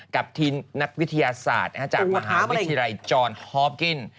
กับทีมนักวิทยาศาสตร์จากมหาวิทยาลัยจอร์นฮอปกิ้น